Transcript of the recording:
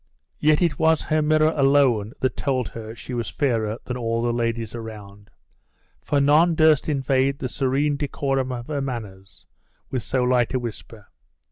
Yet it was her mirror aloe that told her she was fairer than all the ladies around, for none durst invade the serene decorum of her manners, with so light a whisper.